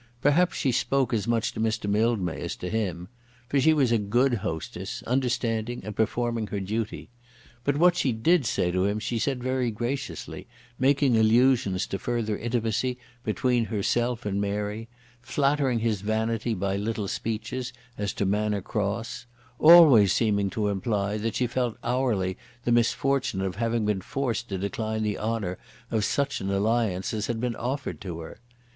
Perhaps she spoke as much to Mr. Mildmay as to him; for she was a good hostess, understanding and performing her duty. But what she did say to him she said very graciously, making allusions to further intimacy between herself and Mary, flattering his vanity by little speeches as to Manor Cross, always seeming to imply that she felt hourly the misfortune of having been forced to decline the honour of such an alliance as had been offered to her.